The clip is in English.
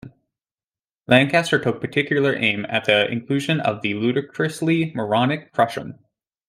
Lancaster took particular aim at the inclusion of the "ludicrously moronic" "Crush 'Em".